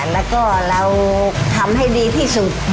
แล้วก็เราทำให้ดีที่สุด